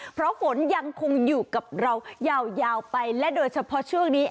เพราะฝนยังคงอยู่กับเรายาวไปและโดยเฉพาะช่วงนี้